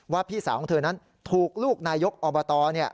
พี่สาวของเธอนั้นถูกลูกนายกอบต